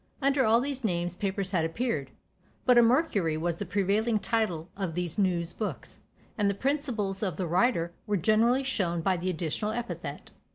Under all these names papers had appeared, but a "Mercury" was the prevailing title of these "News books," and the principles of the writer were generally shown by the additional epithet.